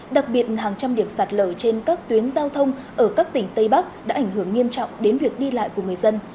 đặc biệt hàng trăm điểm sạt lở trên các tuyến giao thông ở các tỉnh tây bắc đã ảnh hưởng nghiêm trọng đến việc đi lại của người dân